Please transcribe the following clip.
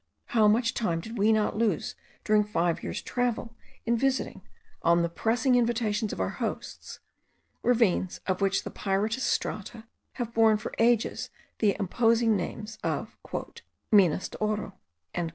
How much time did we not lose during five years' travels, in visiting, on the pressing invitations of our hosts, ravines, of which the pyritous strata have borne for ages the imposing names of 'Minas de oro!'